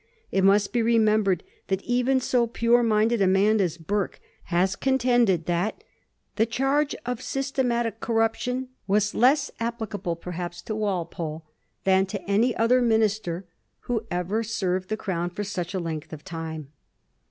It must be remembered that even so pure minded a man as Burke has contended that '' the charge of systematic corruption " was less applicable, per haps, to Walpole " than to any other minister who ever 20 A HISTORY OF THE FOUR GEORGES. CH. xzi. served the Crown for such a length of time."